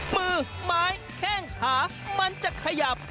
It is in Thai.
มือไม้แข้งขามันจะขยับ